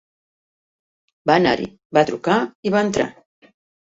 Va anar-hi, va trucar i va entrar.